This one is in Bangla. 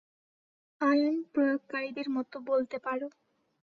আইন প্রয়োগকারীদের মতো বলতে পারো।